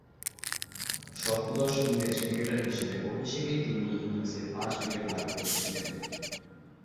সপ্তদশ ইংরেজ ক্রিকেটার হিসেবে অভিষেকেই তিনি ইনিংসে পাঁচ উইকেট লাভ করেছিলেন।